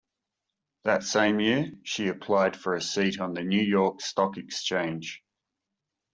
That same year, she applied for a seat on the New York Stock Exchange.